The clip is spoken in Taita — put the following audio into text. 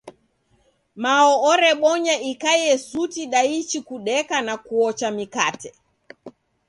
Mao orebonya ikaie suti daichi kudeka, na kuocha mikate.